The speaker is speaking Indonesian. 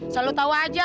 selalu tau aja